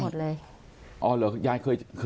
อ๋อเหรอยายเคย